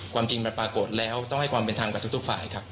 ความจริงมันปรากฏแล้วต้องให้ความเป็นธรรมกับทุกฝ่ายครับ